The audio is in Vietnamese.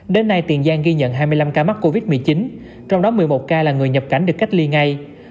đến nay tiền giang ghi nhận hai mươi năm ca mắc covid một mươi chín trong đó một mươi một ca là người nhập cảnh được cách ly ngay